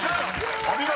［お見事！